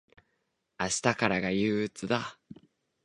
明日からが憂鬱だ。